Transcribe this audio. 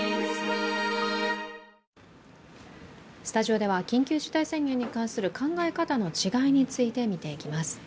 スタジオでは緊急事態宣言に関する考え方の違いについて見ていきます。